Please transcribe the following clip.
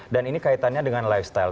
dan ini kaitannya dengan lifestyle